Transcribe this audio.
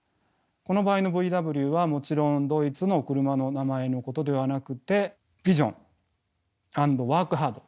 この場合のＶＷはもちろんドイツの車の名前のことではなくてビジョン＆ワークハード。